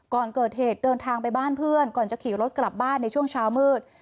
ก่อนเกิดเหตุเดินทางไปบ้านเพื่อนก่อนจะขี่รถกลับบ้านในช่วงเช้ามืด